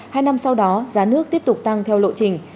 hai năm sau đó giá nước tiếp tục tăng theo lộ trình